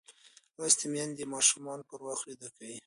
لوستې میندې ماشومان پر وخت ویده کوي.